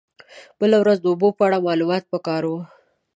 بله ورځ د اوبو په اړه معلومات په کار و.